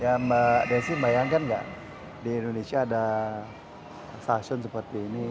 ya mbak desi bayangkan nggak di indonesia ada fashion seperti ini